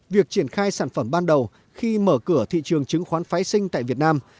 việc triển khai sản phẩm ban đầu khi mở cửa thị trường chứng khoán phái sinh tại việt nam